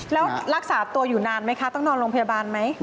แล้วรักษาตัวอยู่นานไหมคะต้องนอนโรงพยาบาลไหม